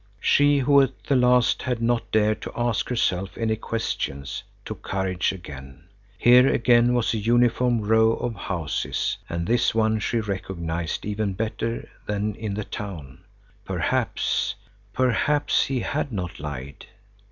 She, who at the last had not dared to ask herself any questions, took courage again. Here again was a uniform row of houses, and this one she recognized even better than that in the town. Perhaps, perhaps he had not lied.